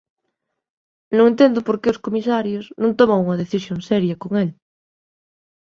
Non entendo por que os comisarios non toman unha decisión seria con el.